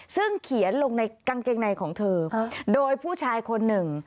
ซึ่งเขียนลงในกางเกงในของเธอโดยผู้ชายคนหนึ่ง